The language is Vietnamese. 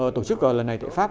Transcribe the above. tổ chức lần này tại pháp